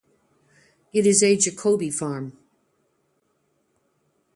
It is a Jacobi form.